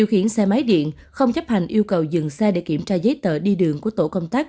điều khiển xe máy điện không chấp hành yêu cầu dừng xe để kiểm tra giấy tờ đi đường của tổ công tác